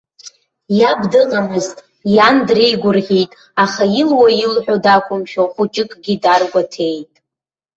Иаб дыҟамызт, иан дреигәырӷьеит, аха илуа-илҳәо дақәымшәо хәыҷыкгьы даргәаҭеит.